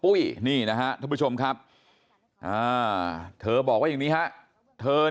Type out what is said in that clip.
คุณจิราญุฑก็เลยคุยกับคนรับเลี้ยงเด็กนะคะ